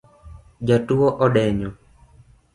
Jatuo odenyo